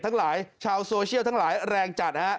ทั้งหลายชาวโซเชียลทั้งหลายแรงจัดฮะ